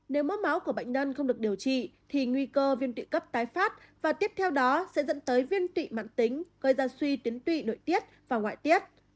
nếu mất máu của bệnh nhân không được điều trị thì nguy cơ viêm tụy cấp tái phát và tiếp theo đó sẽ dẫn tới viên tụy mạng tính gây ra suy tuyến tụy nội tiết và ngoại tiết